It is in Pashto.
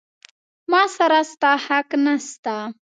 ما سره ستا حق نسته.